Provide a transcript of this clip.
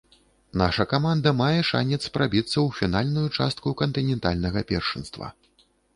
Наша каманда мае шанец прабіцца ў фінальную частку кантынентальнага першынства.